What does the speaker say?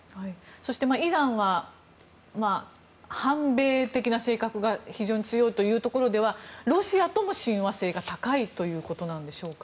そして、イランは反米的な性格が非常に強いというところではロシアとも親和性が高いということなんでしょうか。